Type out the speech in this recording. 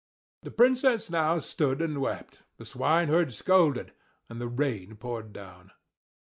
The Princess now stood and wept, the swineherd scolded, and the rain poured down.